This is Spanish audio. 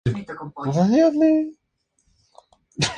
Grabada en Tarragona y Madrid.